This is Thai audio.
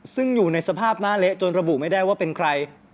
ซึ่งอยู่ในสภาพหน้าเละจนระบุไม่ได้ว่าเป็นใคร